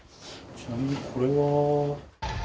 ちなみにこれは？